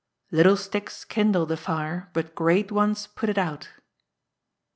[LITTLE STICKS KINDLE THE FIRE, BUT GREAT ONES PUT IT OUT.